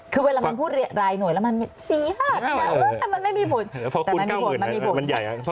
คือเวลามันพูดรายหน่วยแล้วมัน๔๕แต่มันไม่มีผล